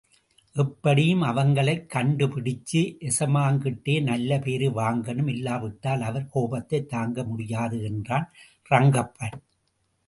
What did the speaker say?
எப்படியும் அவங்களைக் கண்டுபிடிச்சு எசமாங்கிட்டே நல்ல பேரு வாங்கணும், இல்லாவிட்டால் அவர் கோபத்தைத் தாங்க முடியாது என்றான் ரங்கப்பன்.